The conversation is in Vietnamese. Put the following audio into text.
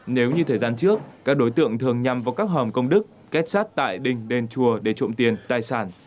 nếu như thời gian trước các đối tượng thường nhằm vào các hòm công đức kết sát tại đình đền chùa để trộm tiền tài sản